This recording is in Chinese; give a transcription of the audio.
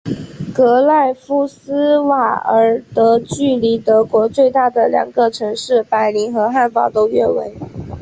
格赖夫斯瓦尔德距离德国最大的两个城市柏林和汉堡都约为。